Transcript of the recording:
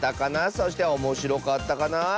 そしておもしろかったかな？